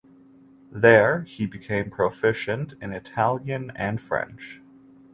There he became proficient in Italian and French.